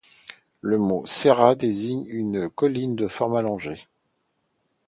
Le mot sèrra désigne une colline de forme allongée.